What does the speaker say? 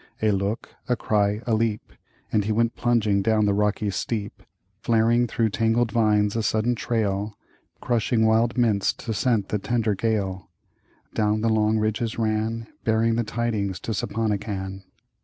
A look, a cry, a leap, And he went plunging down the rocky steep, Flaring through tangled vines a sudden trail, Crushing wild mints to scent the tender gale—Down the long ridges ran, Bearing the tidings to Sapponikan.